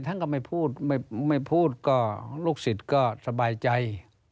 ท่านก็ไม่พูดไม่พูดก็ลูกศิษย์ก็สบายใจ